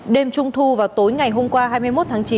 đêm trung thu vào tối ngày hôm qua hai mươi một tháng chín